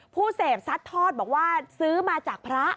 ผู้เสพซัดทอดบอกว่าซื้อมาจากพระ